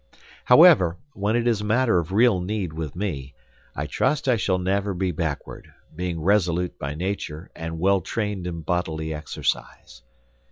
However, when it is a matter of real need with me, I trust I shall never be backward, being resolute by nature and well trained in bodily exercise.